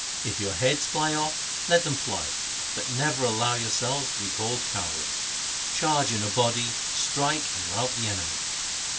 If your heads fly off, let them fly, but never allow yourselves to be called cowards. Charge in a body, strike and rout the enemy.'